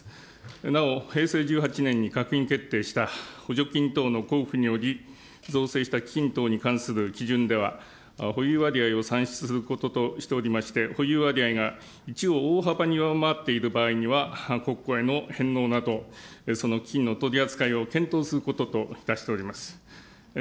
なお平成１８年に閣議決定した補助金等の交付により、ぞうせいした基金等に関する基準では、保有割合を算出することとしておりまして、保有割合が１を大幅に上回っている場合には、国庫への返納など、その基金の取り扱いを検討することといたしております。